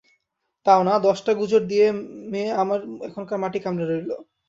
তাও না, দশটা গুজর দিয়ে মেয়ে আমার এখানকার মাটি কামড়ে রইল।